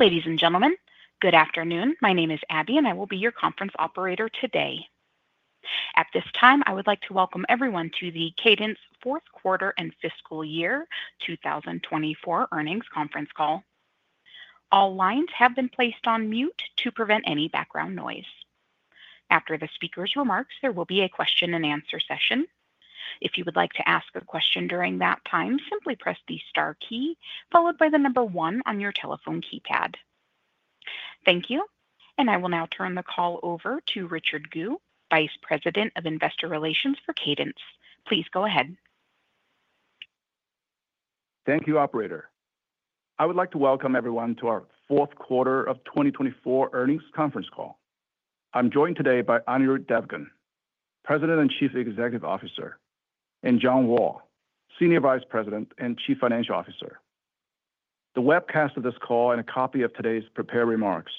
Ladies and gentlemen, good afternoon. My name is Abby, and I will be your conference operator today. At this time, I would like to welcome everyone to the Cadence Q4 and Fiscal Year 2024 Earnings Conference Call. All lines have been placed on mute to prevent any background noise. After the speaker's remarks, there will be a question-and-answer session. If you would like to ask a question during that time, simply press the star key followed by the number one on your telephone keypad. Thank you, and I will now turn the call over to Richard Gu, Vice President of Investor Relations for Cadence. Please go ahead. Thank you, Operator. I would like to welcome everyone to our Q4 of 2024 Earnings Conference Call. I'm joined today by Anirudh Devgan, President and Chief Executive Officer, and John Wall, Senior Vice President and Chief Financial Officer. The webcast of this call and a copy of today's prepared remarks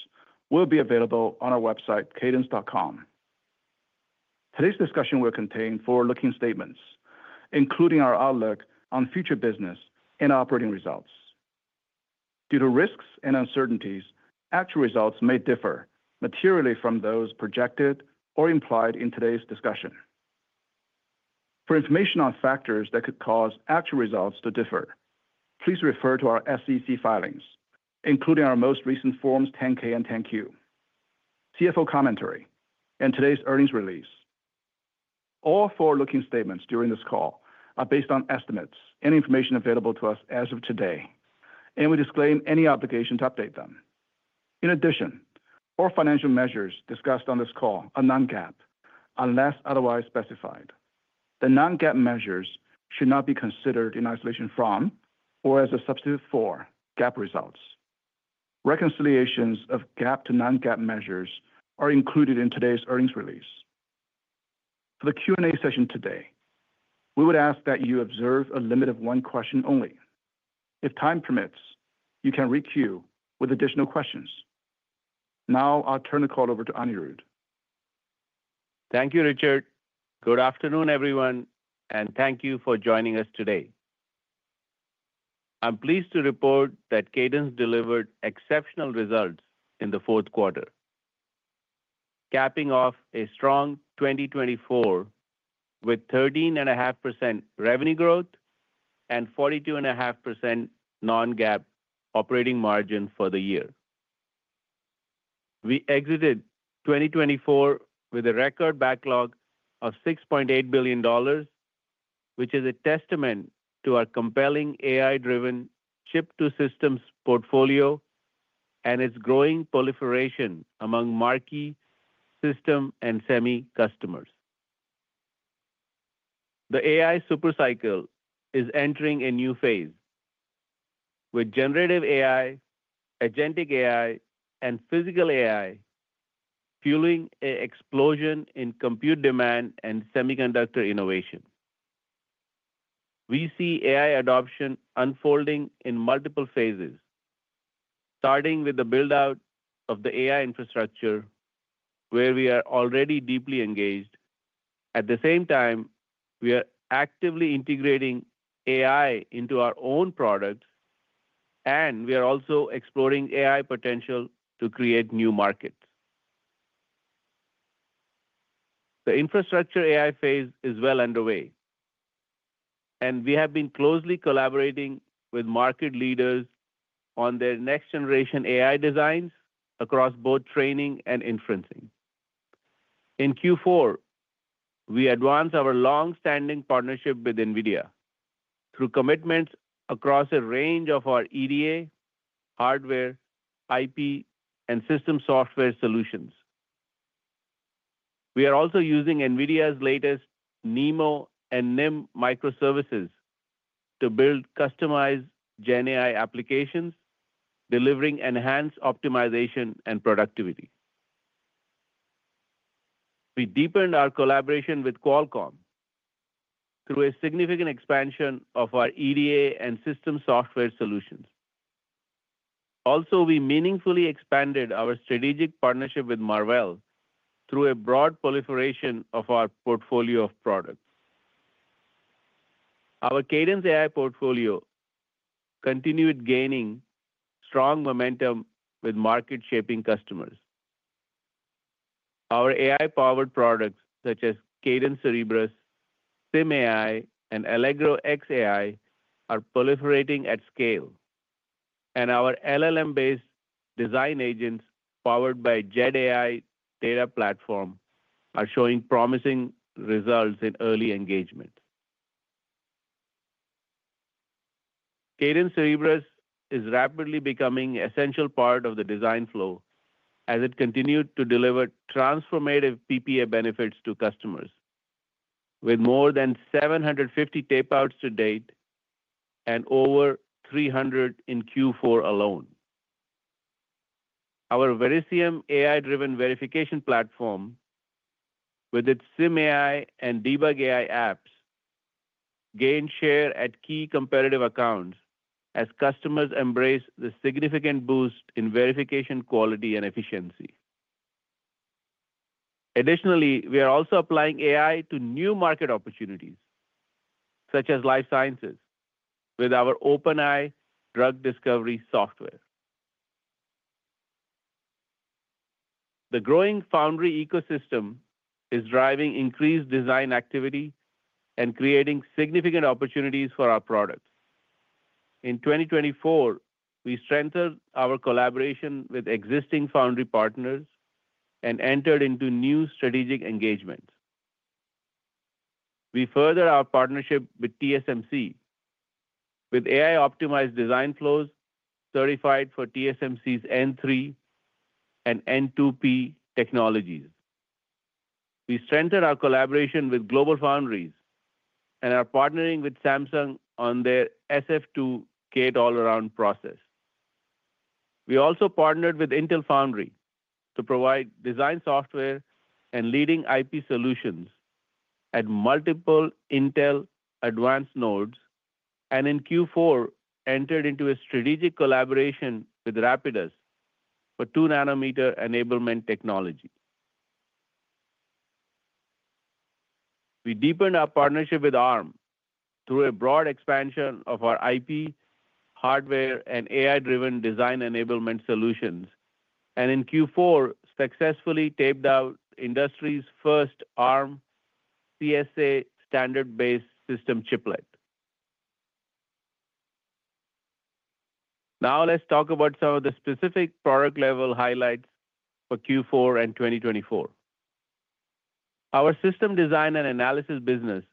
will be available on our website, cadence.com. Today's discussion will contain forward-looking statements, including our outlook on future business and operating results. Due to risks and uncertainties, actual results may differ materially from those projected or implied in today's discussion. For information on factors that could cause actual results to differ, please refer to our SEC filings, including our most recent Forms 10-K and 10-Q, CFO commentary, and today's earnings release. All forward-looking statements during this call are based on estimates and information available to us as of today, and we disclaim any obligation to update them. In addition, all financial measures discussed on this call are non-GAAP unless otherwise specified. The non-GAAP measures should not be considered in isolation from or as a substitute for GAAP results. Reconciliations of GAAP to non-GAAP measures are included in today's earnings release. For the Q&A session today, we would ask that you observe a limit of one question only. If time permits, you can re-queue with additional questions. Now, I'll turn the call over to Anirudh. Thank you, Richard. Good afternoon, everyone, and thank you for joining us today. I'm pleased to report that Cadence delivered exceptional results in the Q4, capping off a strong 2024 with 13.5% revenue growth and 42.5% non-GAAP operating margin for the year. We exited 2024 with a record backlog of $6.8 billion, which is a testament to our compelling AI-driven chip-to-systems portfolio and its growing proliferation among marquee system and semi customers. The AI supercycle is entering a new phase with generative AI, agentic AI, and physical AI, fueling an explosion in compute demand and semiconductor innovation. We see AI adoption unfolding in multiple phases, starting with the build-out of the AI infrastructure, where we are already deeply engaged. At the same time, we are actively integrating AI into our own products, and we are also exploring AI potential to create new markets. The infrastructure AI phase is well underway, and we have been closely collaborating with market leaders on their next-generation AI designs across both training and inferencing. In Q4, we advance our longstanding partnership with NVIDIA through commitments across a range of our EDA, hardware, IP, and system software solutions. We are also using NVIDIA's latest NeMo and NIM microservices to build customized GenAI applications, delivering enhanced optimization and productivity. We deepened our collaboration with Qualcomm through a significant expansion of our EDA and system software solutions. Also, we meaningfully expanded our strategic partnership with Marvell through a broad proliferation of our portfolio of products. Our Cadence AI portfolio continued gaining strong momentum with market-shaping customers. Our AI-powered products, such as Cadence Cerebrus, SimAI, and Allegro X AI, are proliferating at scale, and our LLM-based design agents powered by JedAI Data Platform are showing promising results in early engagement. Cadence Cerebrus is rapidly becoming an essential part of the design flow as it continues to deliver transformative PPA benefits to customers, with more than 750 tapeouts to date and over 300 in Q4 alone. Our Verisium AI-driven verification platform, with its SimAI and DebugAI apps, gains share at key competitive accounts as customers embrace the significant boost in verification quality and efficiency. Additionally, we are also applying AI to new market opportunities, such as life sciences, with our OpenEye drug discovery software. The growing foundry ecosystem is driving increased design activity and creating significant opportunities for our products. In 2024, we strengthened our collaboration with existing foundry partners and entered into new strategic engagements. We further our partnership with TSMC, with AI-optimized design flows certified for TSMC's N3 and N2P technologies. We strengthened our collaboration with GlobalFoundries and are partnering with Samsung on their SF2 gate-all-around process. We also partnered with Intel Foundry to provide design software and leading IP solutions at multiple Intel advanced nodes, and in Q4, entered into a strategic collaboration with Rapidus for 2-nanometer enablement technology. We deepened our partnership with Arm through a broad expansion of our IP, hardware, and AI-driven design enablement solutions, and in Q4, successfully taped out industry's first Arm CSA standard-based system chiplet. Now, let's talk about some of the specific product-level highlights for Q4 and 2024. Our system design and analysis business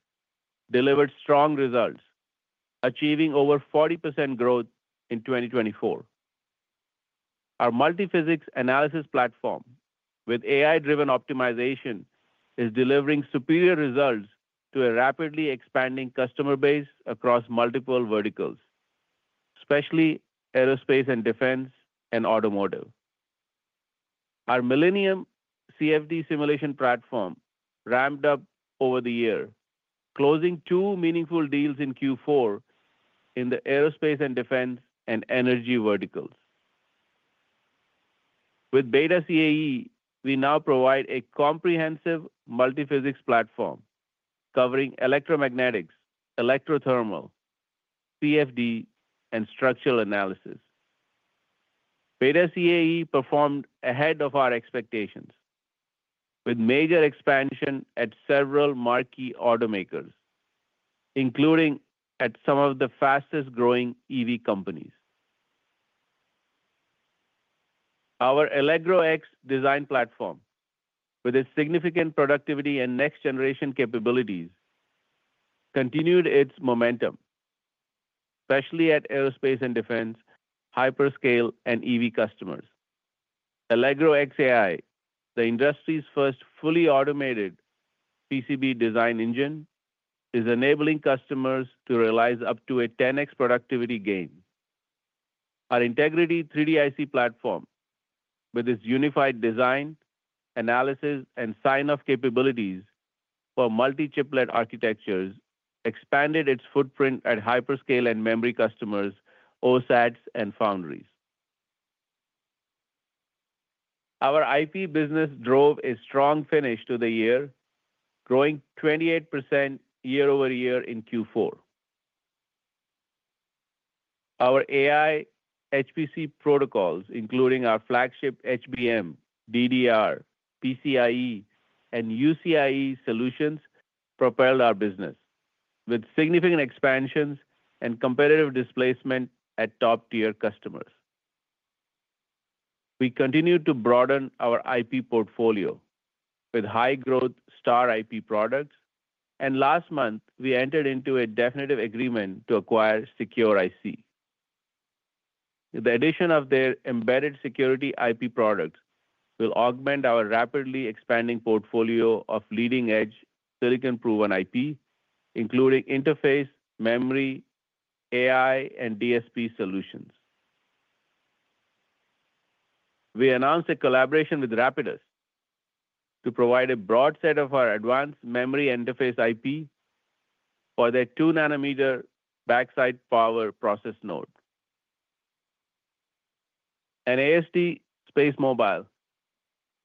delivered strong results, achieving over 40% growth in 2024. Our multiphysics analysis platform, with AI-driven optimization, is delivering superior results to a rapidly expanding customer base across multiple verticals, especially aerospace and defense and automotive. Our Millennium CFD simulation platform ramped up over the year, closing two meaningful deals in Q4 in the aerospace and defense and energy verticals. With BETA CAE, we now provide a comprehensive multiphysics platform covering electromagnetics, electrothermal, CFD, and structural analysis. BETA CAE performed ahead of our expectations, with major expansion at several marquee automakers, including at some of the fastest-growing EV companies. Our Allegro X Design Platform, with its significant productivity and next-generation capabilities, continued its momentum, especially at aerospace and defense, hyperscale, and EV customers. Allegro X AI, the industry's first fully automated PCB design engine, is enabling customers to realize up to a 10x productivity gain. Our Integrity 3D-IC Platform, with its unified design, analysis, and sign-off capabilities for multi-chiplet architectures, expanded its footprint at hyperscale and memory customers, OSATs, and foundries. Our IP business drove a strong finish to the year, growing 28% year-over-year in Q4. Our AI HPC protocols, including our flagship HBM, DDR, PCIe, and UCIe solutions, propelled our business, with significant expansions and competitive displacement at top-tier customers. We continue to broaden our IP portfolio with high-growth star IP products, and last month, we entered into a definitive agreement to acquire Secure-IC. The addition of their embedded security IP products will augment our rapidly expanding portfolio of leading-edge silicon-proven IP, including interface, memory, AI, and DSP solutions. We announced a collaboration with Rapidus to provide a broad set of our advanced memory interface IP for their 2-nanometer backside power process node, and AST SpaceMobile,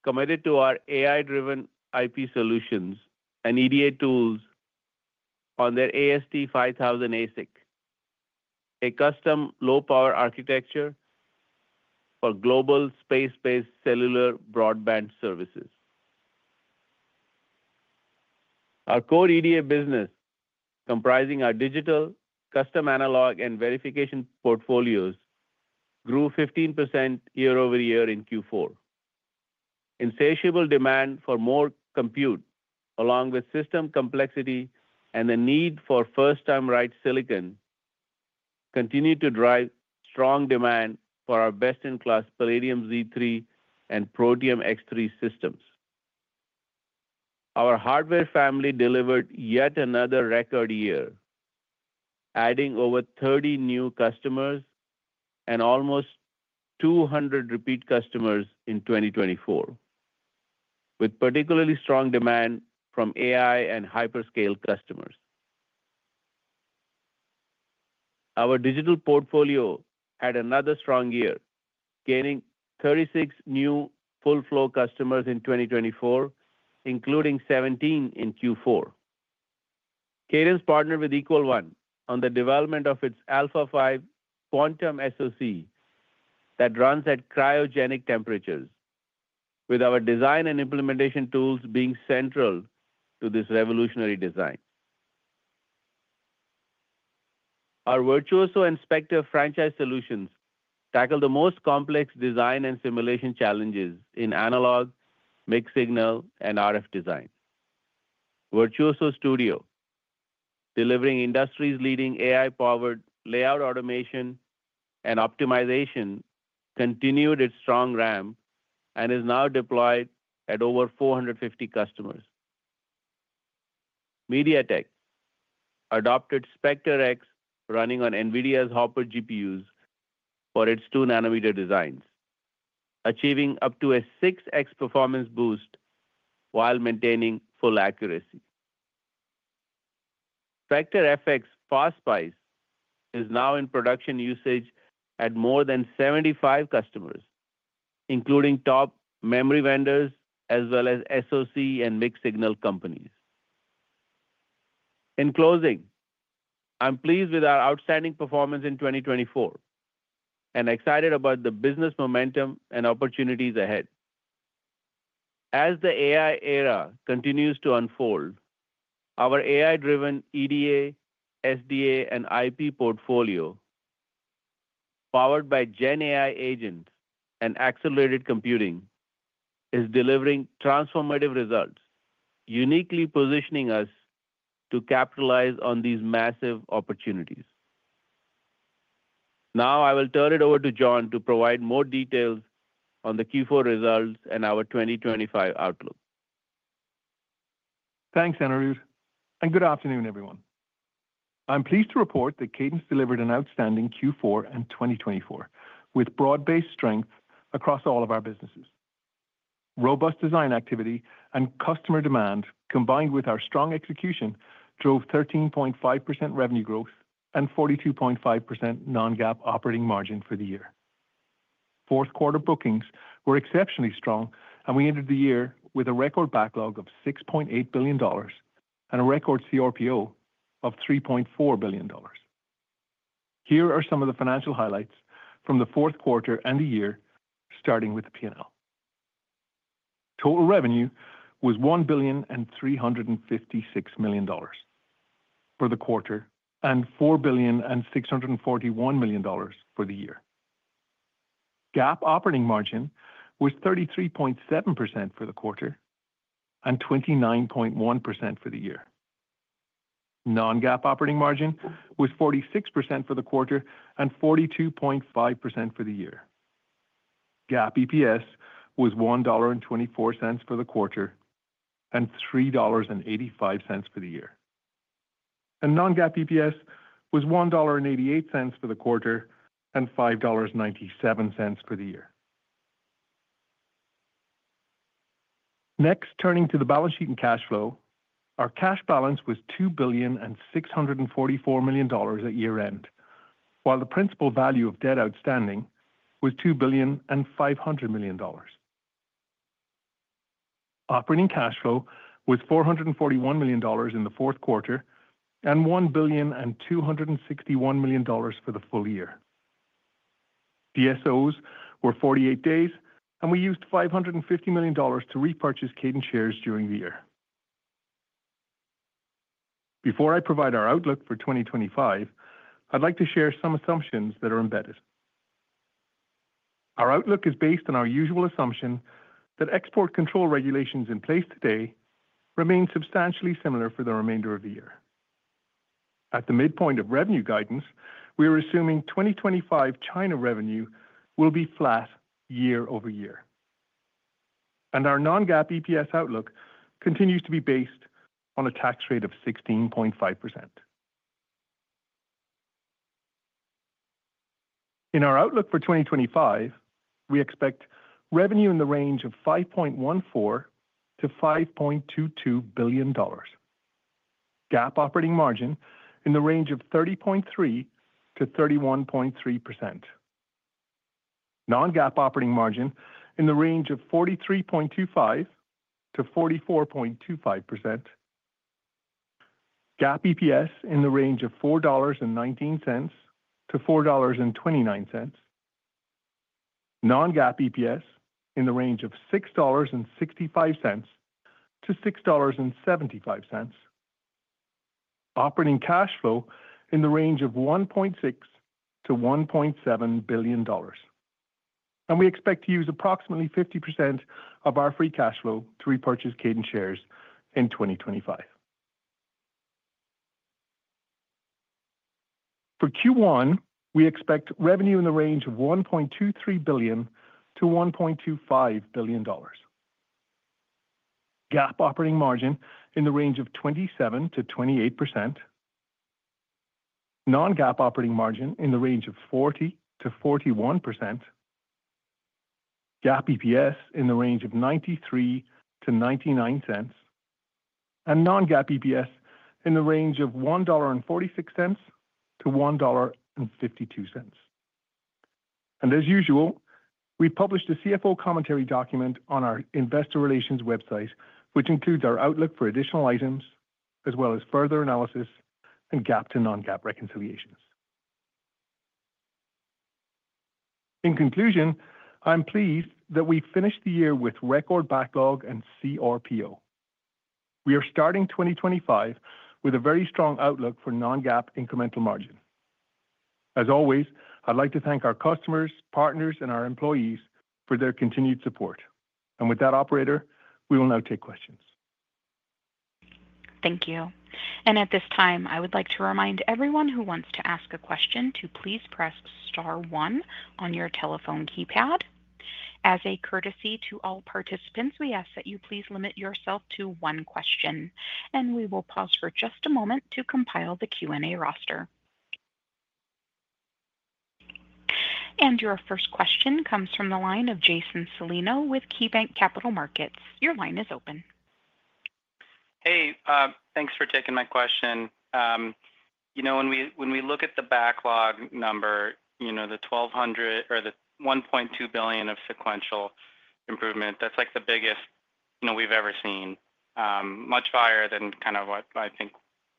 committed to our AI-driven IP solutions and EDA tools on their AST 5000 ASIC, a custom low-power architecture for global space-based cellular broadband services. Our core EDA business, comprising our digital, custom analog, and verification portfolios, grew 15% year-over-year in Q4. Insatiable demand for more compute, along with system complexity and the need for first-time-right silicon, continued to drive strong demand for our best-in-class Palladium Z3 and Protium X3 systems. Our hardware family delivered yet another record year, adding over 30 new customers and almost 200 repeat customers in 2024, with particularly strong demand from AI and hyperscale customers. Our digital portfolio had another strong year, gaining 36 new full-flow customers in 2024, including 17 in Q4. Cadence partnered with Equal1 on the development of its AlphaFive Quantum SoC that runs at cryogenic temperatures, with our design and implementation tools being central to this revolutionary design. Our Virtuoso Inspector franchise solutions tackle the most complex design and simulation challenges in analog, mixed-signal, and RF design. Virtuoso Studio, delivering industry-leading AI-powered layout automation and optimization, continued its strong ramp and is now deployed at over 450 customers. MediaTek adopted Spectre X, running on NVIDIA's Hopper GPUs for its 2-nanometer designs, achieving up to a 6x performance boost while maintaining full accuracy. FX FastSpice is now in production usage at more than 75 customers, including top memory vendors as well as SoC and mixed-signal companies. In closing, I'm pleased with our outstanding performance in 2024 and excited about the business momentum and opportunities ahead. As the AI era continues to unfold, our AI-driven EDA, SDA, and IP portfolio, powered by GenAI agents and accelerated computing, is delivering transformative results, uniquely positioning us to capitalize on these massive opportunities. Now, I will turn it over to John to provide more details on the Q4 results and our 2025 outlook. Thanks, Anirudh, and good afternoon, everyone. I'm pleased to report that Cadence delivered an outstanding Q4 and 2024 with broad-based strength across all of our businesses. Robust design activity and customer demand, combined with our strong execution, drove 13.5% revenue growth and 42.5% Non-GAAP operating margin for the year. Q4 bookings were exceptionally strong, and we entered the year with a record backlog of $6.8 billion and a record CRPO of $3.4 billion. Here are some of the financial highlights from the Q4 and the year, starting with the P&L. Total revenue was $1,356 million for the quarter and $4,641 million for the year. GAAP operating margin was 33.7% for the quarter and 29.1% for the year. Non-GAAP operating margin was 46% for the quarter and 42.5% for the year. GAAP EPS was $1.24 for the quarter and $3.85 for the year. And non-GAAP EPS was $1.88 for the quarter and $5.97 for the year. Next, turning to the balance sheet and cash flow, our cash balance was $2,644 million at year-end, while the principal value of debt outstanding was $2,500 million. Operating cash flow was $441 million in the Q4 and $1,261 million for the full year. DSOs were 48 days, and we used $550 million to repurchase Cadence shares during the year. Before I provide our outlook for 2025, I'd like to share some assumptions that are embedded. Our outlook is based on our usual assumption that export control regulations in place today remain substantially similar for the remainder of the year. At the midpoint of revenue guidance, we are assuming 2025 China revenue will be flat year-over-year, and our non-GAAP EPS outlook continues to be based on a tax rate of 16.5%. In our outlook for 2025, we expect revenue in the range of $5.14 to $5.22 billion, GAAP operating margin in the range of 30.3%-31.3%, non-GAAP operating margin in the range of 43.25% to 44.25%, GAAP EPS in the range of $4.19 to $4.29, non-GAAP EPS in the range of $6.65 to $6.75, operating cash flow in the range of $1.6 to $1.7 billion, and we expect to use approximately 50% of our free cash flow to repurchase Cadence shares in 2025. For Q1, we expect revenue in the range of $1.23 to $1.25 billion, GAAP operating margin in the range of 27%-28%, non-GAAP operating margin in the range of 40% to 41%, GAAP EPS in the range of $0.93 to $0.99, and non-GAAP EPS in the range of $1.46 to $1.52. And as usual, we published a CFO commentary document on our investor relations website, which includes our outlook for additional items, as well as further analysis and GAAP to non-GAAP reconciliations. In conclusion, I'm pleased that we finished the year with record backlog and CRPO. We are starting 2025 with a very strong outlook for non-GAAP incremental margin. As always, I'd like to thank our customers, partners, and our employees for their continued support. And with that, Operator, we will now take questions. Thank you. And at this time, I would like to remind everyone who wants to ask a question to please press Star 1 on your telephone keypad. As a courtesy to all participants, we ask that you please limit yourself to one question, and we will pause for just a moment to compile the Q&A roster. And your first question comes from the line of Jason Celino with KeyBanc Capital Markets. Your line is open. Hey, thanks for taking my question. You know, when we look at the backlog number, you know, the $1.2 billion of sequential improvement, that's like the biggest we've ever seen, much higher than kind of what I think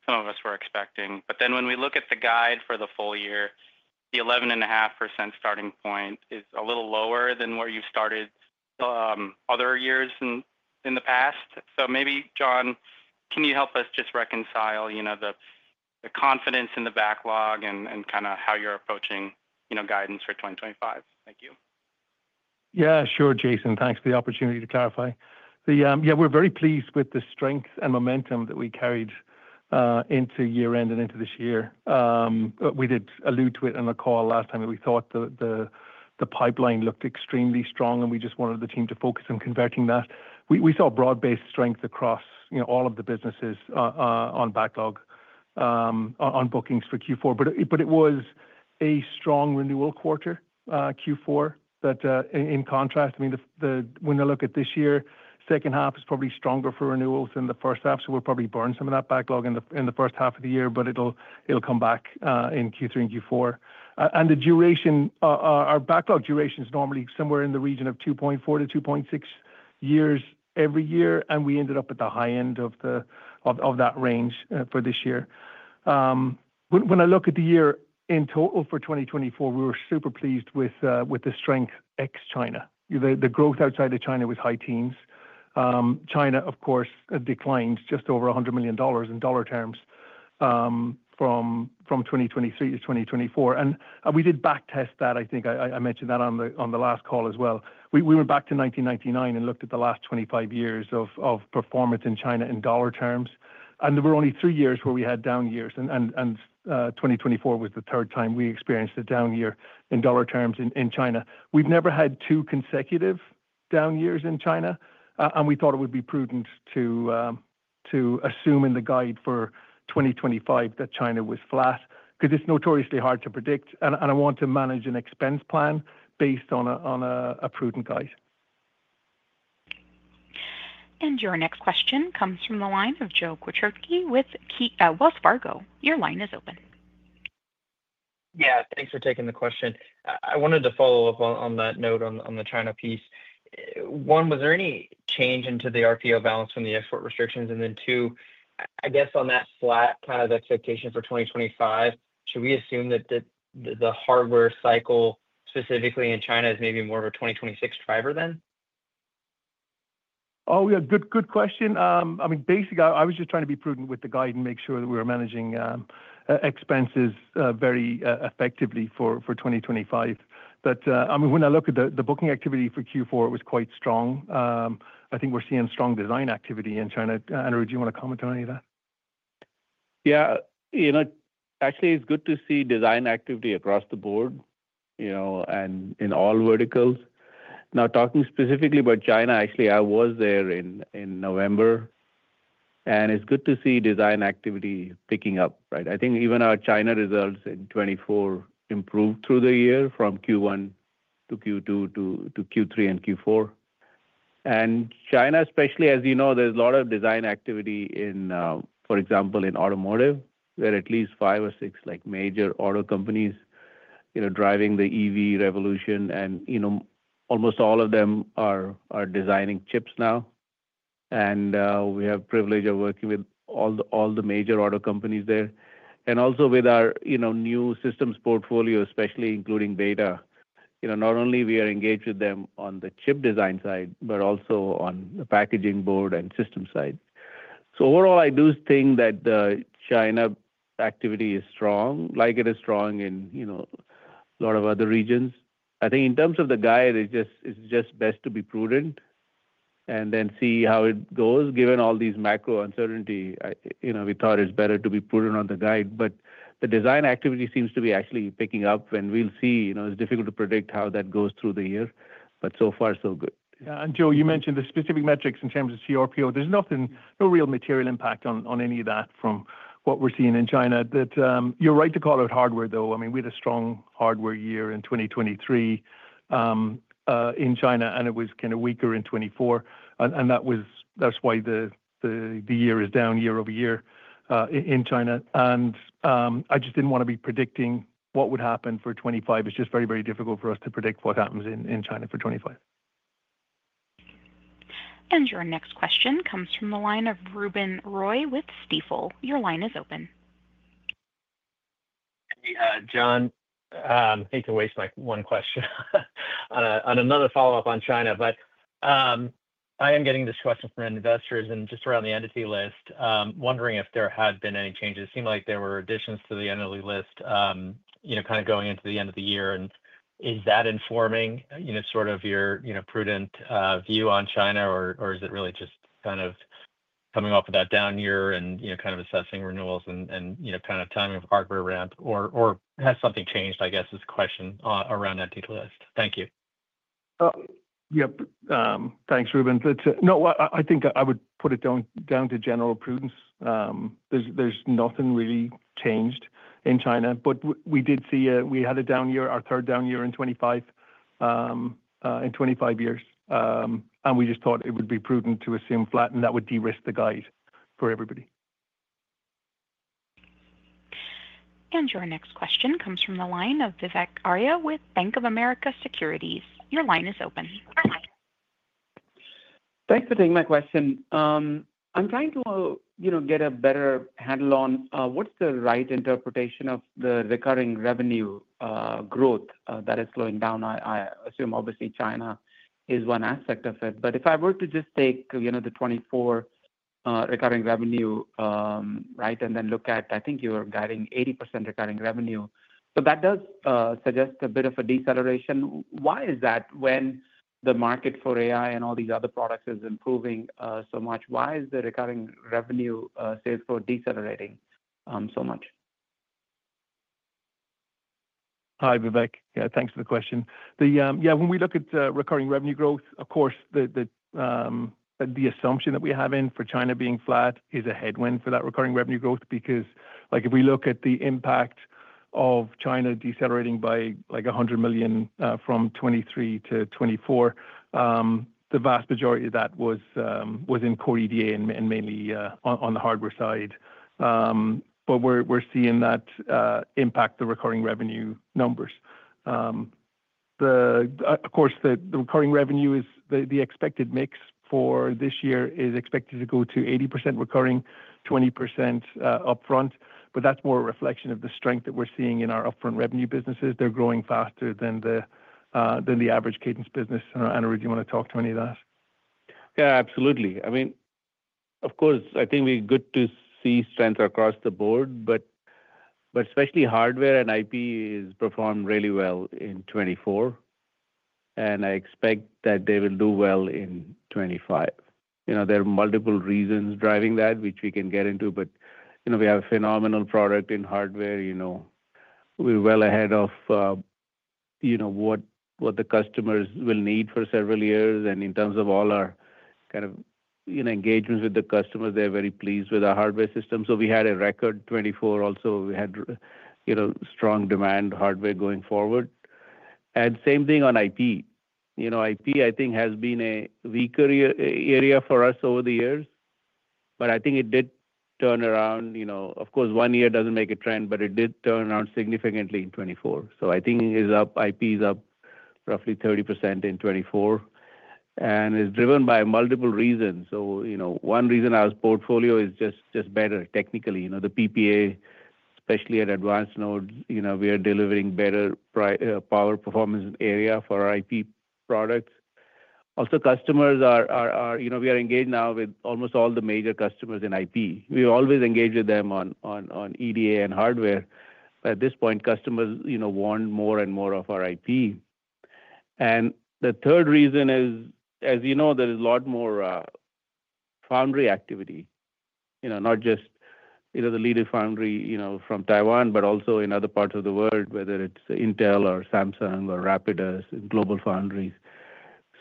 some of us were expecting. But then when we look at the guide for the full year, the 11.5% starting point is a little lower than where you've started other years in the past. So maybe, John, can you help us just reconcile the confidence in the backlog and kind of how you're approaching guidance for 2025? Thank you. Yeah, sure, Jason. Thanks for the opportunity to clarify. Yeah, we're very pleased with the strength and momentum that we carried into year-end and into this year. We did allude to it on a call last time, and we thought the pipeline looked extremely strong, and we just wanted the team to focus on converting that. We saw broad-based strength across all of the businesses on backlog, on bookings for Q4, but it was a strong renewal quarter, Q4. That, in contrast, I mean, when I look at this year, second half is probably stronger for renewals than the first half, so we'll probably burn some of that backlog in the first half of the year, but it'll come back in Q3 and Q4. The duration, our backlog duration is normally somewhere in the region of 2.4-2.6 years every year, and we ended up at the high end of that range for this year. When I look at the year in total for 2024, we were super pleased with the strength ex-China, the growth outside of China with high teens. China, of course, declined just over $100 million in dollar terms from 2023 to 2024, and we did backtest that. I think I mentioned that on the last call as well. We went back to 1999 and looked at the last 25 years of performance in China in dollar terms, and there were only three years where we had down years, and 2024 was the third time we experienced a down year in dollar terms in China. We’ve never had two consecutive down years in China, and we thought it would be prudent to assume in the guide for 2025 that China was flat because it’s notoriously hard to predict, and I want to manage an expense plan based on a prudent guide. And your next question comes from the line of Joe Quatrochi with Wells Fargo. Your line is open. Yeah, thanks for taking the question. I wanted to follow up on that note on the China piece. One, was there any change into the RPO balance from the export restrictions? And then two, I guess on that flat kind of expectation for 2025, should we assume that the hardware cycle specifically in China is maybe more of a 2026 driver then? Oh, yeah, good question. I mean, basically, I was just trying to be prudent with the guide and make sure that we were managing expenses very effectively for 2025. But I mean, when I look at the booking activity for Q4, it was quite strong. I think we're seeing strong design activity in China. Anirudh, do you want to comment on any of that? Yeah, you know, actually, it's good to see design activity across the board and in all verticals. Now, talking specifically about China, actually, I was there in November, and it's good to see design activity picking up, right? I think even our China results in 2024 improved through the year from Q1 to Q2 to Q3 and Q4. And China, especially, as you know, there's a lot of design activity in, for example, in automotive, there are at least five or six major auto companies driving the EV revolution, and almost all of them are designing chips now. And we have the privilege of working with all the major auto companies there. And also with our new systems portfolio, especially including Beta, not only are we engaged with them on the chip design side, but also on the packaging board and system side. So overall, I do think that the China activity is strong, like it is strong in a lot of other regions. I think in terms of the guide, it's just best to be prudent and then see how it goes. Given all these macro uncertainty, we thought it's better to be prudent on the guide, but the design activity seems to be actually picking up, and we'll see. It's difficult to predict how that goes through the year, but so far, so good. Yeah. And Joe, you mentioned the specific metrics in terms of CRPO. There's no real material impact on any of that from what we're seeing in China. You're right to call it hardware, though. I mean, we had a strong hardware year in 2023 in China, and it was kind of weaker in 2024, and that's why the year is down year over year in China. I just didn't want to be predicting what would happen for 2025. It's just very, very difficult for us to predict what happens in China for 2025. And your next question comes from the line of Ruben Roy with Stifel. Your line is open. John, I hate to waste my one question on another follow-up on China, but I am getting this question from investors and just around the entity list, wondering if there had been any changes. It seemed like there were additions to the entity list kind of going into the end of the year. And is that informing sort of your prudent view on China, or is it really just kind of coming off of that down year and kind of assessing renewals and kind of timing of hardware ramp, or has something changed, I guess, is the question around entity list? Thank you. Yeah, thanks, Ruben. No, I think I would put it down to general prudence. There's nothing really changed in China, but we did see we had a down year, our third down year in 2025, in 25 years, and we just thought it would be prudent to assume flat, and that would de-risk the guide for everybody. And your next question comes from the line of Vivek Arya with Bank of America Securities. Your line is open. Thanks for taking my question. I'm trying to get a better handle on what's the right interpretation of the recurring revenue growth that is slowing down. I assume, obviously, China is one aspect of it. But if I were to just take the 2024 recurring revenue, right, and then look at, I think you were guiding 80% recurring revenue, but that does suggest a bit of a deceleration. Why is that when the market for AI and all these other products is improving so much? Why is the recurring revenue sales for decelerating so much? Hi, Vivek. Yeah, thanks for the question. Yeah, when we look at recurring revenue growth, of course, the assumption that we have in for China being flat is a headwind for that recurring revenue growth because if we look at the impact of China decelerating by like $100 million from 2023 to 2024, the vast majority of that was in core EDA and mainly on the hardware side. But we're seeing that impact the recurring revenue numbers. Of course, the recurring revenue is the expected mix for this year is expected to go to 80% recurring, 20% upfront, but that's more a reflection of the strength that we're seeing in our upfront revenue businesses. They're growing faster than the average Cadence business. Anirudh, do you want to talk to any of that? Yeah, absolutely. I mean, of course, I think we're good to see strength across the board, but especially hardware and IP has performed really well in 2024, and I expect that they will do well in 2025. There are multiple reasons driving that, which we can get into, but we have a phenomenal product in hardware. We're well ahead of what the customers will need for several years. And in terms of all our kind of engagements with the customers, they're very pleased with our hardware system. So we had a record 2024. Also, we had strong demand hardware going forward. And same thing on IP. IP, I think, has been a weaker area for us over the years, but I think it did turn around. Of course, one year doesn't make a trend, but it did turn around significantly in 2024. So I think it's up. IP is up roughly 30% in 2024 and is driven by multiple reasons. So one reason our portfolio is just better technically. The PPA, especially at advanced nodes, we are delivering better power performance area for our IP products. Also, customers, we are engaged now with almost all the major customers in IP. We always engage with them on EDA and hardware, but at this point, customers want more and more of our IP. And the third reason is, as you know, there is a lot more foundry activity, not just the leading foundry from Taiwan, but also in other parts of the world, whether it's Intel or Samsung or Rapidus and GlobalFoundries.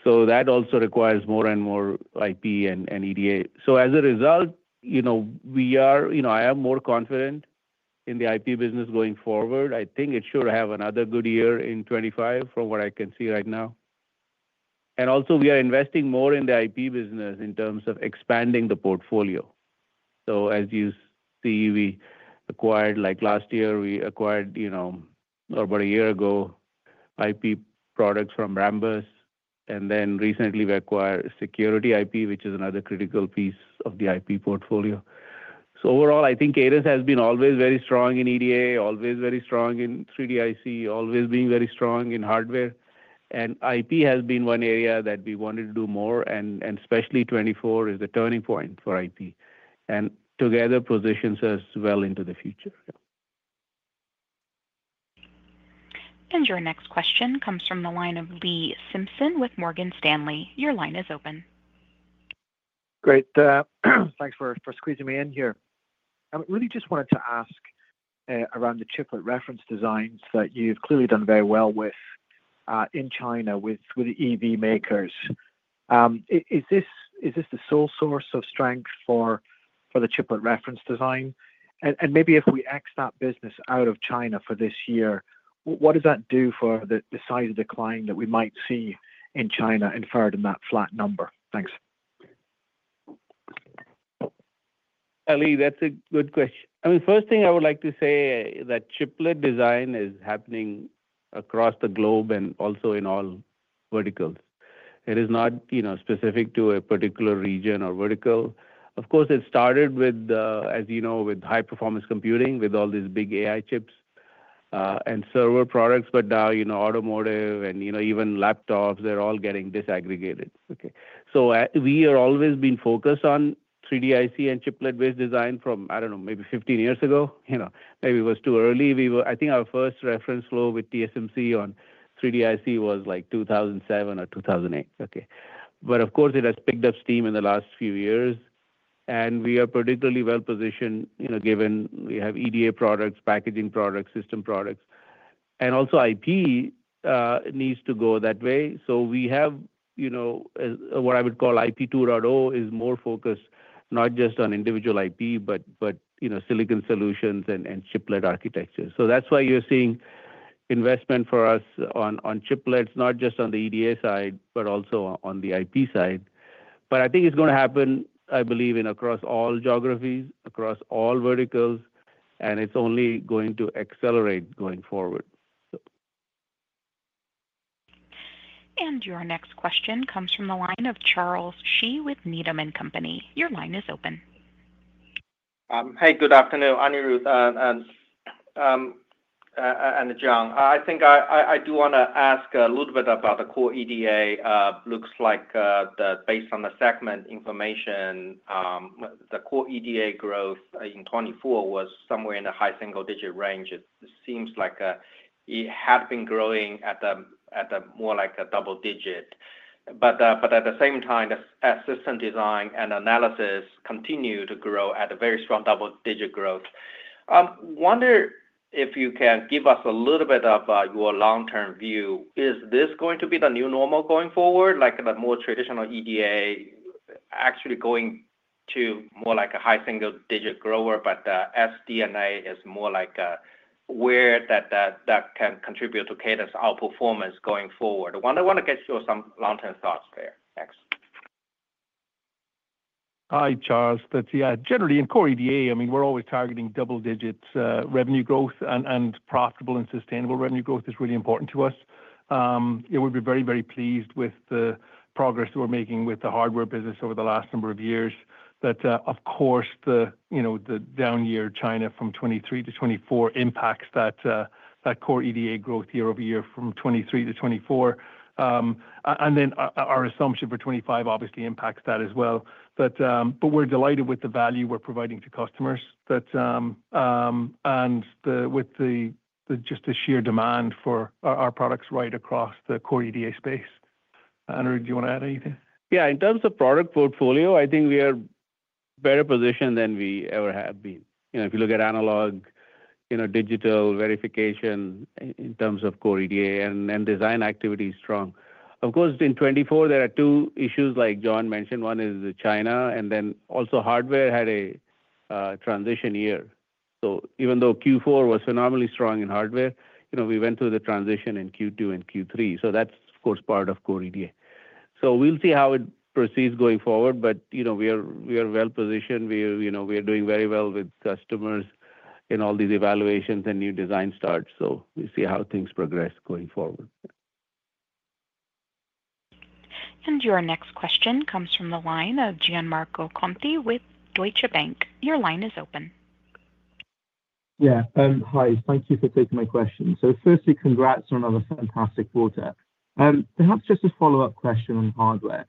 So that also requires more and more IP and EDA. As a result, I am more confident in the IP business going forward. I think it should have another good year in 2025 from what I can see right now. We are investing more in the IP business in terms of expanding the portfolio. As you see, we acquired like last year, we acquired about a year ago IP products from Rambus, and then recently we acquired Secure-IC, which is another critical piece of the IP portfolio. Overall, I think Cadence has been always very strong in EDA, always very strong in 3D-IC, always being very strong in hardware. IP has been one area that we wanted to do more, and especially 2024 is the turning point for IP and together positions us well into the future. And your next question comes from the line of Lee Simpson with Morgan Stanley. Your line is open. Great. Thanks for squeezing me in here. I really just wanted to ask around the chiplet reference designs that you've clearly done very well with in China with the EV makers. Is this the sole source of strength for the chiplet reference design? And maybe if we exit that business out of China for this year, what does that do for the size of decline that we might see in China inferred in that flat number? Thanks. Lee, that's a good question. I mean, first thing I would like to say that chiplet design is happening across the globe and also in all verticals. It is not specific to a particular region or vertical. Of course, it started with, as you know, with high-performance computing, with all these big AI chips and server products, but now automotive and even laptops, they're all getting disaggregated. Okay. So we have always been focused on 3D-IC and chiplet-based design from, I don't know, maybe 15 years ago. Maybe it was too early. I think our first reference flow with TSMC on 3D-IC was like 2007 or 2008. Okay. But of course, it has picked up steam in the last few years, and we are particularly well-positioned given we have EDA products, packaging products, system products, and also IP needs to go that way. So we have what I would call IP 2.0 is more focused not just on individual IP, but silicon solutions and chiplet architecture. So that's why you're seeing investment for us on chiplets, not just on the EDA side, but also on the IP side. But I think it's going to happen, I believe, in across all geographies, across all verticals, and it's only going to accelerate going forward. And your next question comes from the line of Charles Shi with Needham & Company. Your line is open. Hey, good afternoon, Anirudh and John. I think I do want to ask a little bit about the core EDA. Looks like that based on the segment information, the core EDA growth in 2024 was somewhere in the high single-digit range. It seems like it had been growing at more like a double digit. But at the same time, system design and analysis continue to grow at a very strong double-digit growth. I wonder if you can give us a little bit of your long-term view. Is this going to be the new normal going forward, like the more traditional EDA actually going to more like a high single-digit grower, but the SDNA is more like where that can contribute to Cadence outperformance going forward? I want to get your long-term thoughts there. Thanks. Hi, Charles. Yeah, generally in core EDA, I mean, we're always targeting double-digit revenue growth, and profitable and sustainable revenue growth is really important to us. We'll be very, very pleased with the progress we're making with the hardware business over the last number of years. But of course, the down year in China from 2023 to 2024 impacts that core EDA growth year over year from 2023 to 2024. And then our assumption for 2025 obviously impacts that as well. But we're delighted with the value we're providing to customers and with just the sheer demand for our products right across the core EDA space. Anirudh, do you want to add anything? Yeah. In terms of product portfolio, I think we are better positioned than we ever have been. If you look at analog, digital verification in terms of core EDA and design activity is strong. Of course, in 2024, there are two issues like John mentioned. One is China, and then also hardware had a transition year. So even though Q4 was phenomenally strong in hardware, we went through the transition in Q2 and Q3. So that's, of course, part of core EDA. So we'll see how it proceeds going forward, but we are well-positioned. We are doing very well with customers in all these evaluations and new design starts. So we'll see how things progress going forward. And your next question comes from the line of Gianmarco Conti with Deutsche Bank. Your line is open. Yeah. Hi. Thank you for taking my question. So firstly, congrats on another fantastic quarter. Perhaps just a follow-up question on hardware.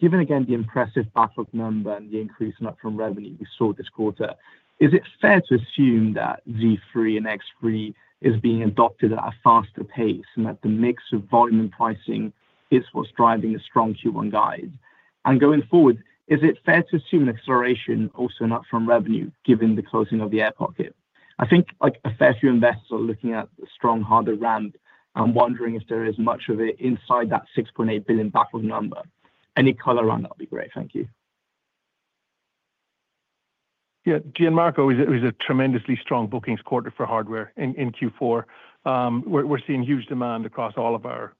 Given again the impressive backlog number and the increase in upfront revenue we saw this quarter, is it fair to assume that Z3 and X3 is being adopted at a faster pace and that the mix of volume and pricing is what's driving a strong Q1 guide? And going forward, is it fair to assume an acceleration also in upfront revenue given the closing of the air pocket? I think especially investors are looking at the strong hardware ramp and wondering if there is much of it inside that $6.8 billion backlog number. Any color on that would be great. Thank you. Yeah. it is a tremendously strong bookings quarter for hardware in Q4. We're seeing huge demand across all of our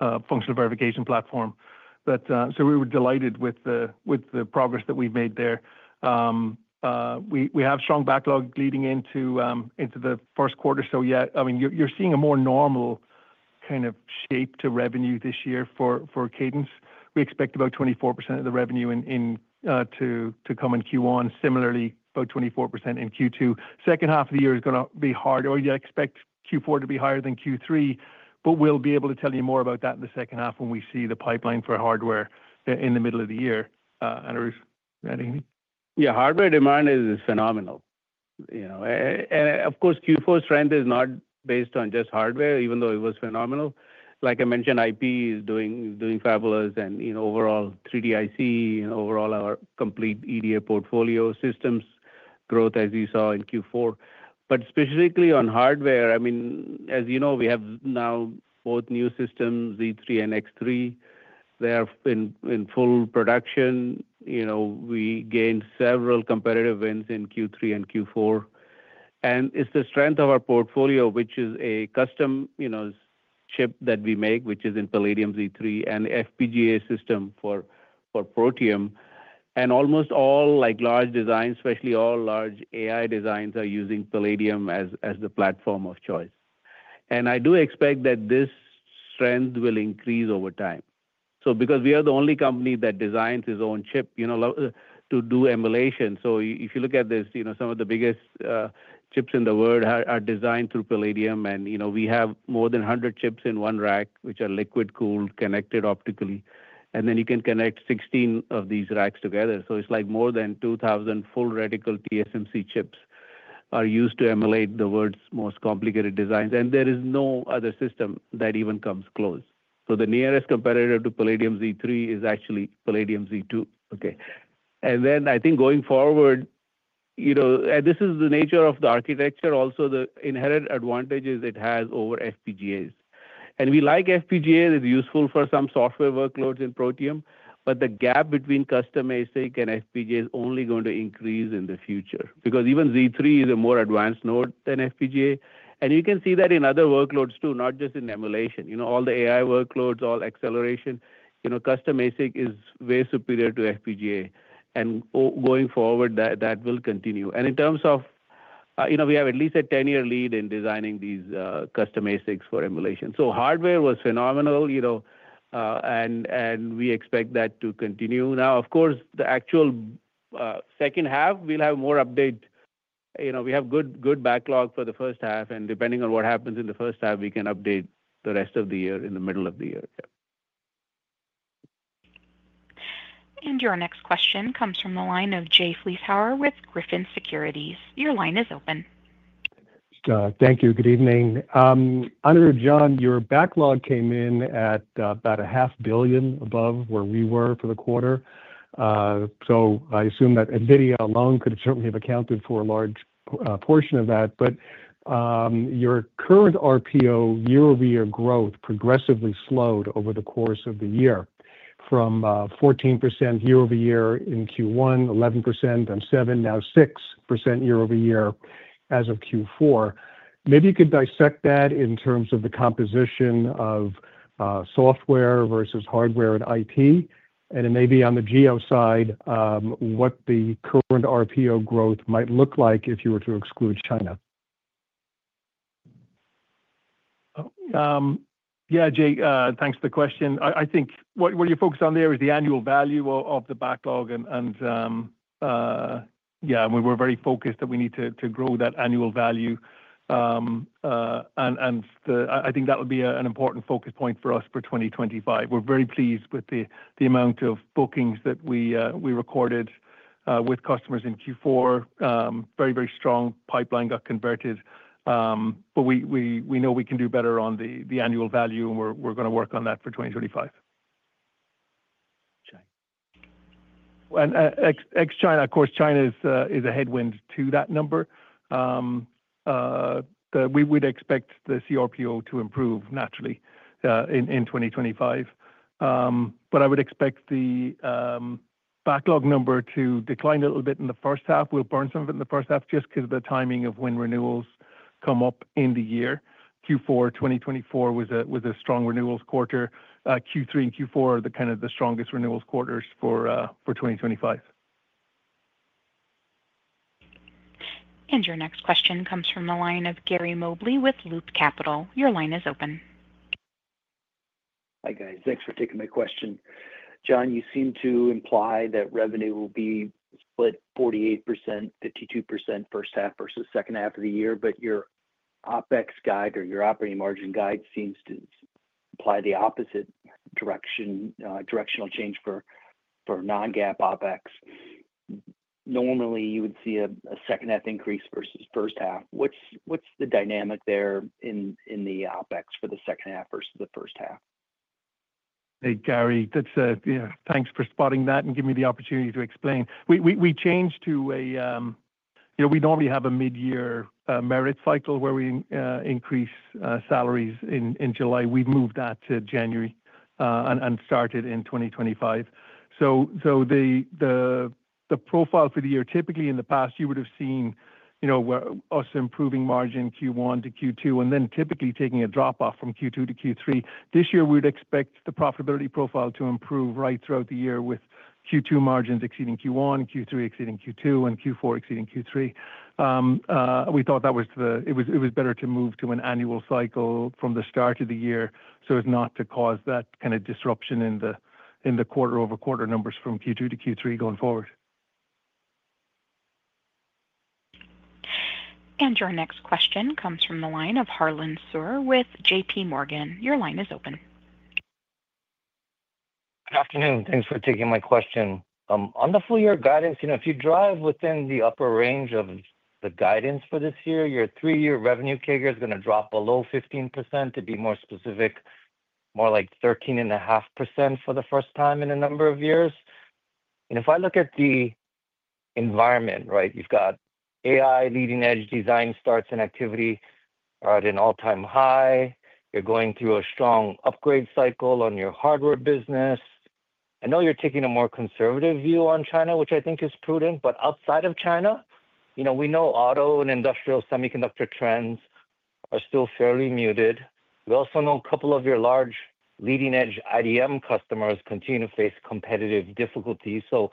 functional verification platform. So we were delighted with the progress that we've made there. We have strong backlog leading into the Q1. So yeah, I mean, you're seeing a more normal kind of shape to revenue this year for Cadence. We expect about 24% of the revenue to come in Q1. Similarly, about 24% in Q2. H2 of the year is going to be hard. We expect Q4 to be higher than Q3, but we'll be able to tell you more about that in the when we see the pipeline for hardware in the middle of the year. Anirudh, anything? Yeah. Hardware demand is phenomenal. And of course, Q4 strength is not based on just hardware, even though it was phenomenal. Like I mentioned, IP is doing fabulous and overall 3D-IC and overall our complete EDA portfolio systems growth as you saw in Q4. But specifically on hardware, I mean, as you know, we have now both new systems, Z3 and X3. They are in full production. We gained several competitive wins in Q3 and Q4. And it's the strength of our portfolio, which is a custom chip that we make, which is in Palladium Z3 and FPGA system for Protium. And almost all large designs, especially all large AI designs, are using Palladium as the platform of choice. And I do expect that this strength will increase over time. So because we are the only company that designs its own chip to do emulation. So if you look at this, some of the biggest chips in the world are designed through Palladium, and we have more than 100 chips in one rack, which are liquid-cooled, connected optically. And then you can connect 16 of these racks together. So it's like more than 2,000 full reticle TSMC chips are used to emulate the world's most complicated designs. And there is no other system that even comes close. So the nearest competitor to Palladium Z3 is actually Palladium Z2. Okay. And then I think going forward, this is the nature of the architecture. Also, the inherent advantages it has over FPGAs. And we like FPGAs. It's useful for some software workloads in Protium, but the gap between custom ASIC and FPGA is only going to increase in the future because even Z3 is a more advanced node than FPGA. You can see that in other workloads too, not just in emulation. All the AI workloads, all acceleration, custom ASIC is way superior to FPGA. Going forward, that will continue. In terms of, we have at least a 10-year lead in designing these custom ASICs for emulation. Hardware was phenomenal, and we expect that to continue. Now, of course, the actual second half, we'll have more updates. We have good backlog for the first half, and depending on what happens in the first half, we can update the rest of the year in the middle of the year. Your next question comes from the line of Jay Vleeschhouwer with Griffin Securities. Your line is open. Thank you. Good evening. Anirudh, John, your backlog came in at about $500 million above where we were for the quarter. I assume that NVIDIA alone could certainly have accounted for a large portion of that. But your current RPO year-over-year growth progressively slowed over the course of the year from 14% year-over-year in Q1, 11% in Q2, now 6% year-over-year as of Q4. Maybe you could dissect that in terms of the composition of software versus hardware and IT, and it may be on the geo side what the current RPO growth might look like if you were to exclude China. Yeah, Jay, thanks for the question. I think what you focus on there is the annual value of the backlog. And yeah, we're very focused that we need to grow that annual value. And I think that would be an important focus point for us for 2025. We're very pleased with the amount of bookings that we recorded with customers in Q4. Very, very strong pipeline got converted. But we know we can do better on the annual value, and we're going to work on that for 2025. And ex-China, of course, China is a headwind to that number. We would expect the CRPO to improve naturally in 2025. But I would expect the backlog number to decline a little bit in the H1. We'll burn some of it in the H1 just because of the timing of when renewals come up in the year. Q4 2024 was a strong renewals quarter. Q3 and Q4 are kind of the strongest renewals quarters for 2025. And your next question comes from the line of Gary Mobley with Loop Capital. Your line is open. Hi guys. Thanks for taking my question. John, you seem to imply that revenue will be split 48%, 52% first half versus second half of the year, but your OpEx guide or your operating margin guide seems to imply the opposite directional change for non-GAAP OpEx. Normally, you would see a H2 increase versus first half. What's the dynamic there in the OpEx for the second half versus the first half? Hey, Gary, thanks for spotting that and giving me the opportunity to explain. We changed. We normally have a mid-year merit cycle where we increase salaries in July. We've moved that to January and started in 2025. So the profile for the year typically in the past, you would have seen us improving margin Q1 to Q2 and then typically taking a drop-off from Q2 to Q3. This year, we would expect the profitability profile to improve right throughout the year with Q2 margins exceeding Q1, Q3 exceeding Q2, and Q4 exceeding Q3. We thought that it was better to move to an annual cycle from the start of the year so as not to cause that kind of disruption in the quarter-over-quarter numbers from Q2 to Q3 going forward. And your next question comes from the line of Harlan Sur with JP Morgan. Your line is open. Good afternoon. Thanks for taking my question. On the full-year guidance, if you drive within the upper range of the guidance for this year, your three-year revenue figure is going to drop below 15% to be more specific, more like 13.5% for the first time in a number of years. If I look at the environment, right, you've got AI leading-edge design starts and activity at an all-time high. You're going through a strong upgrade cycle on your hardware business. I know you're taking a more conservative view on China, which I think is prudent. But outside of China, we know auto and industrial semiconductor trends are still fairly muted. We also know a couple of your large leading-edge IDM customers continue to face competitive difficulties. So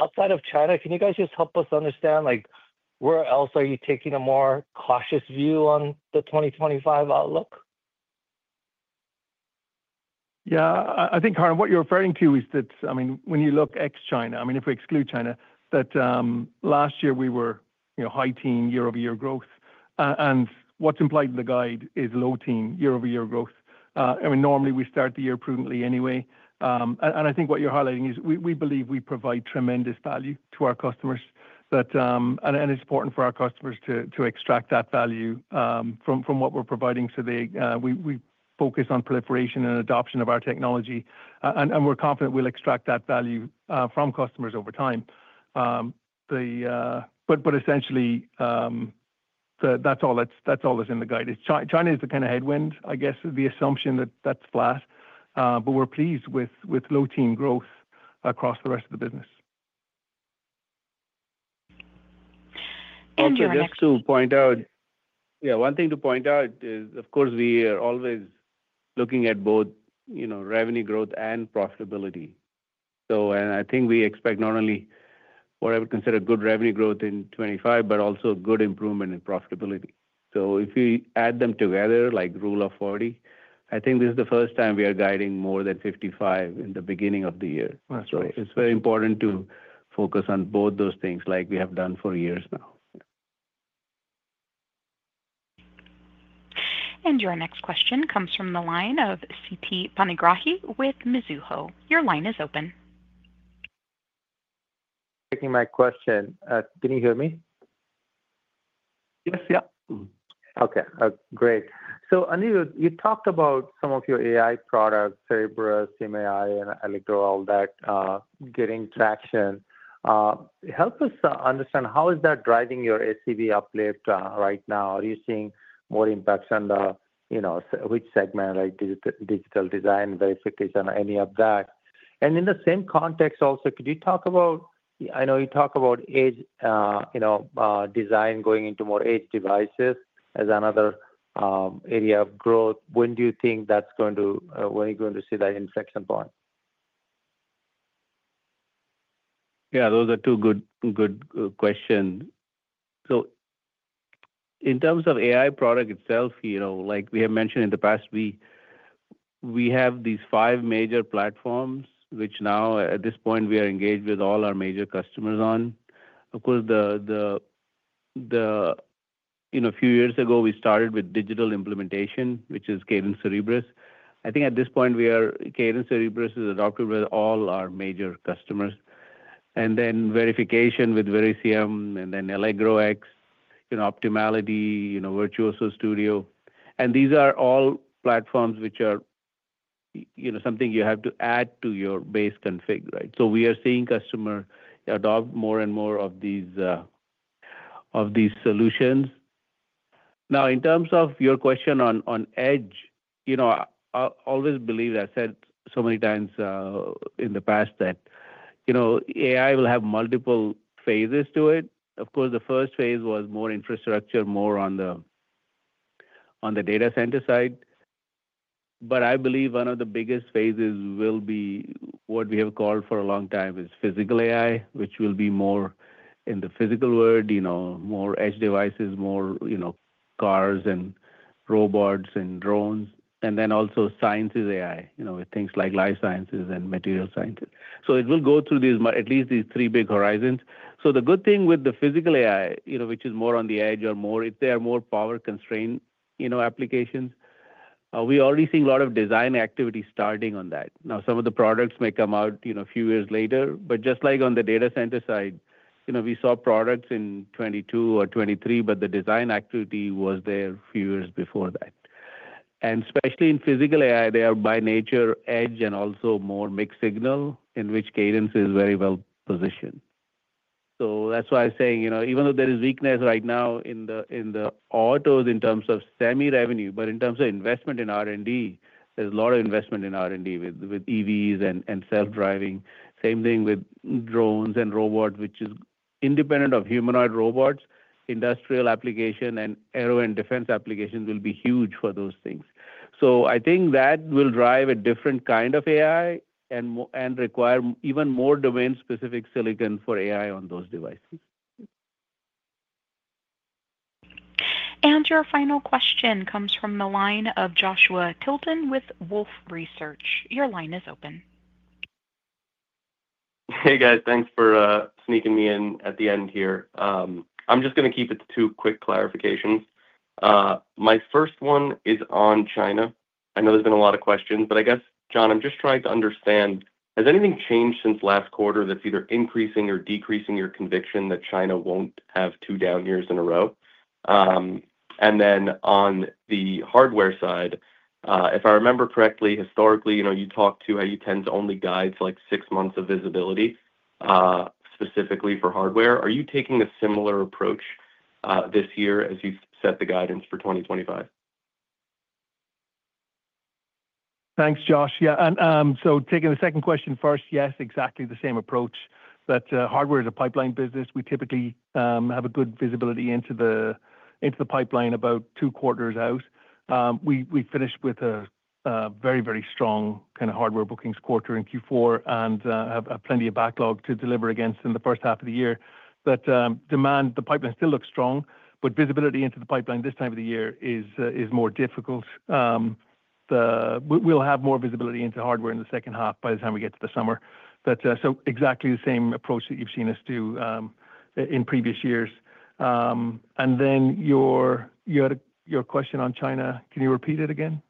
outside of China, can you guys just help us understand where else are you taking a more cautious view on the 2025 outlook? Yeah. I think, Harlan, what you're referring to is that, I mean, when you look ex-China, I mean, if we exclude China, that last year we were high-teens year-over-year growth. And what's implied in the guide is low-teens year-over-year growth. I mean, normally we start the year prudently anyway. And I think what you're highlighting is we believe we provide tremendous value to our customers. And it's important for our customers to extract that value from what we're providing. So we focus on proliferation and adoption of our technology. And we're confident we'll extract that value from customers over time. But essentially, that's all that's in the guide. China is the kind of headwind, I guess, the assumption that that's flat. But we're pleased with low-teens growth across the rest of the business. And just to point out, yeah, one thing to point out is, of course, we are always looking at both revenue growth and profitability. And I think we expect not only what I would consider good revenue growth in 2025, but also good improvement in profitability. So if you add them together like rule of 40, I think this is the first time we are guiding more than 55 in the beginning of the year. So it's very important to focus on both those things like we have done for years now. And your next question comes from the line of Siti Panigrahi with Mizuho. Your line is open. Taking my question. Can you hear me? Yes. Yeah. Okay. Great. So Anirudh, you talked about some of your AI products, Cerebrus, SimAI, and Electro, all that getting traction. Help us understand how is that driving your ACV uplift right now? Are you seeing more impacts on which segment, like digital design, verification, any of that? And in the same context also, could you talk about, I know you talk about design going into more edge devices as another area of growth. When do you think that's going to, when are you going to see that inflection point? Yeah, those are two good questions. In terms of AI product itself, like we have mentioned in the past, we have these five major platforms, which now at this point we are engaged with all our major customers on. Of course, a few years ago, we started with digital implementation, which is Cadence Cerebrus. I think at this point, Cadence Cerebrus is adopted with all our major customers. Then verification with Verisium and then ElectroX, Optimality, Virtuoso Studio. These are all platforms which are something you have to add to your base config, right? We are seeing customers adopt more and more of these solutions. Now, in terms of your question on edge, I always believe I said so many times in the past that AI will have multiple phases to it. Of course, the first phase was more infrastructure, more on the data center side. But I believe one of the biggest phases will be what we have called for a long time is physical AI, which will be more in the physical world, more edge devices, more cars and robots and drones. And then also sciences AI with things like life sciences and material sciences. So it will go through at least these three big horizons. So the good thing with the physical AI, which is more on the edge or more if they are more power-constrained applications, we are already seeing a lot of design activity starting on that. Now, some of the products may come out a few years later, but just like on the data center side, we saw products in 2022 or 2023, but the design activity was there a few years before that. And especially in Physical AI, they are by nature edge and also more mixed signal, in which Cadence is very well positioned. So that's why I'm saying even though there is weakness right now in the autos in terms of semi-revenue, but in terms of investment in R&D, there's a lot of investment in R&D with EVs and self-driving. Same thing with drones and robots, which is independent of humanoid robots. Industrial application and aero and defense applications will be huge for those things. So I think that will drive a different kind of AI and require even more domain-specific silicon for AI on those devices. And your final question comes from the line of Joshua Tilton with Wolfe Research. Your line is open. Hey, guys. Thanks for sneaking me in at the end here. I'm just going to keep it to two quick clarifications. My first one is on China. I know there's been a lot of questions, but I guess, John, I'm just trying to understand, has anything changed since last quarter that's either increasing or decreasing your conviction that China won't have two down years in a row? And then on the hardware side, if I remember correctly, historically, you talked to how you tend to only guide to six months of visibility specifically for hardware. Are you taking a similar approach this year as you set the guidance for 2025? Thanks, Josh. Yeah. And so taking the second question first, yes, exactly the same approach. But hardware is a pipeline business. We typically have a good visibility into the pipeline about two quarters out. We finished with a very, very strong kind of hardware bookings quarter in Q4 and have plenty of backlog to deliver against in the first half of the year. But demand, the pipeline still looks strong, but visibility into the pipeline this time of the year is more difficult. We'll have more visibility into hardware in the second half by the time we get to the summer. So exactly the same approach that you've seen us do in previous years. And then your question on China, can you repeat it again?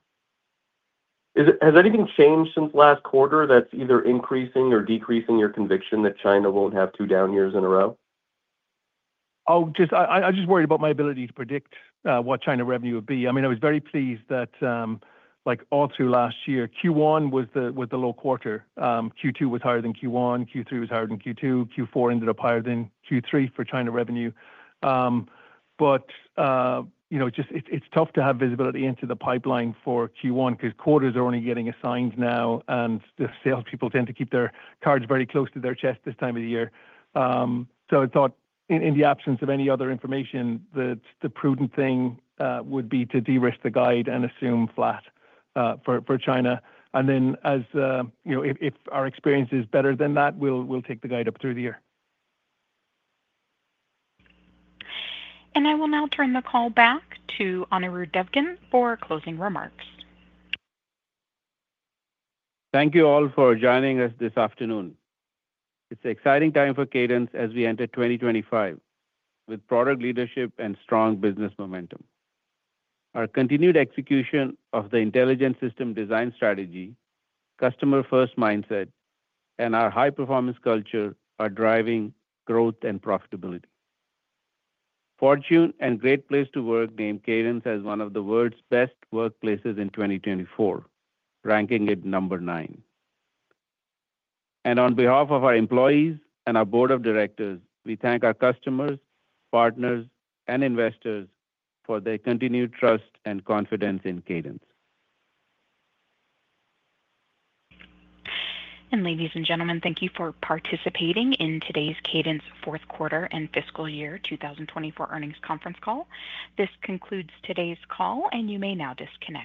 Has anything changed since last quarter that's either increasing or decreasing your conviction that China won't have two down years in a row? Oh, I'm just worried about my ability to predict what China revenue would be. I mean, I was very pleased that all through last year, Q1 was the low quarter. Q2 was higher than Q1. Q3 was higher than Q2. Q4 ended up higher than Q3 for China revenue, but it's tough to have visibility into the pipeline for Q1 because quarters are only getting assigned now, and the salespeople tend to keep their cards very close to their chest this time of the year, so I thought in the absence of any other information, the prudent thing would be to de-risk the guide and assume flat for China, and then if our experience is better than that, we'll take the guide up through the year. And I will now turn the call back to Anirudh Devgan for closing remarks. Thank you all for joining us this afternoon. It's an exciting time for Cadence as we enter 2025 with product leadership and strong business momentum. Our continued execution of the intelligent system design strategy, customer-first mindset, and our high-performance culture are driving growth and profitability. Fortune and Great Place to Work named Cadence as one of the world's best workplaces in 2024, ranking it number nine. And on behalf of our employees and our board of directors, we thank our customers, partners, and investors for their continued trust and confidence in Cadence. And ladies and gentlemen, thank you for participating in today's Cadence Q4 and fiscal year 2024 earnings conference call. This concludes today's call, and you may now disconnect.